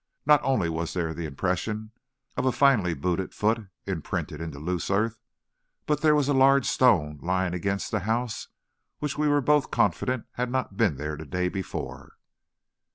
Not only was there the impression of a finely booted foot imprinted in the loose earth, but there was a large stone lying against the house which we were both confident had not been there the day before.